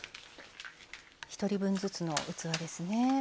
１人分ずつの器ですね。